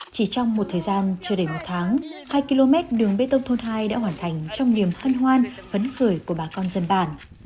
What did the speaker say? chỉ trong một thời gian chưa đầy một tháng hai km đường bê tông thôn hai đã hoàn thành trong niềm hân hoan vấn khởi của bà con dân bản